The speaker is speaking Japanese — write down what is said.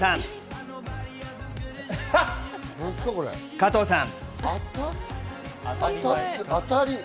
加藤さん。